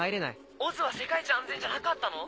ＯＺは世界一安全じゃなかったの？